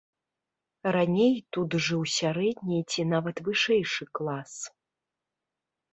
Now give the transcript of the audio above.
Раней тут жыў сярэдні ці нават вышэйшы клас.